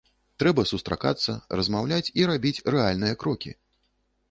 Трэба сустракацца, размаўляць і рабіць рэальныя крокі.